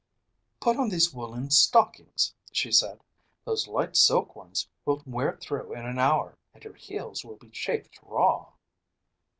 "Put on these woolen stockings," she said. "Those light silk ones will wear through in an hour and your heels will be chafed raw."